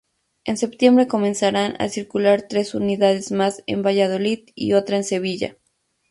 En septiembre comenzaron a circular tres unidades más en Valladolid y otra en Sevilla.